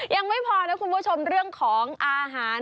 ยังไม่พอนะคุณผู้ชมเรื่องของอาหาร